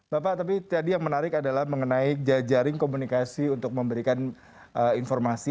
bapak tapi tadi yang menarik adalah mengenai jaring komunikasi untuk memberikan informasi